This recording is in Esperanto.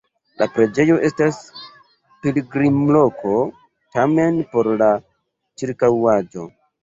La preĝejo estas pilgrimloko, tamen por la ĉirkaŭaĵo.